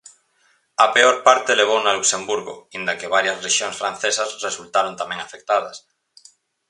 A peor parte levouna Luxemburgo aínda que varias rexións francesas resultaron tamén afectadas.